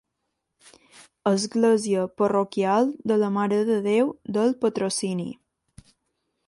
Església parroquial de la Mare de Déu del Patrocini.